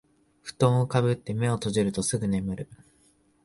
ふとんをかぶって目を閉じるとすぐ眠る